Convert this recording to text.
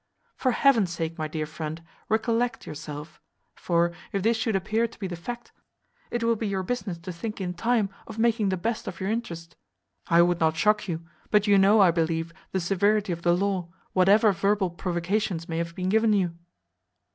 For heaven's sake, my dear friend, recollect yourself; for, if this should appear to be the fact, it will be your business to think in time of making the best of your interest. I would not shock you; but you know, I believe, the severity of the law, whatever verbal provocations may have been given you."